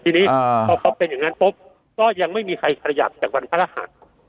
ทีนี้พอเขาเป็นอย่างนั้นปุ๊บก็ยังไม่มีใครขยับจากวันพระรหัส